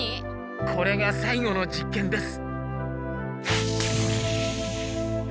これがさいごの実験です。